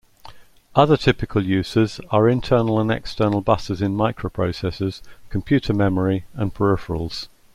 Other typical uses are internal and external buses in microprocessors, computer memory, and peripherals.